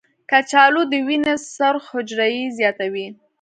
کچالو د وینې سرخ حجرې زیاتوي.